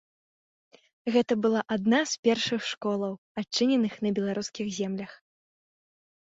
Гэта была адна з першых школаў, адчыненых на беларускіх землях.